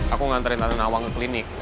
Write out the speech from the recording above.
aku ngantarin tante nawang ke klinik